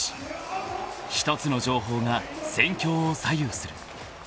［１つの情報が戦況を左右する］